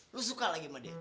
lu suka lagi sama dia